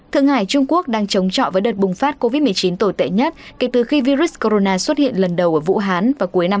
thượng hải trung quốc đang chống chọi với đợt bùng phát covid một mươi chín tồi tệ nhất kể từ khi virus corona xuất hiện lần đầu ở vũ hán vào cuối năm hai nghìn hai mươi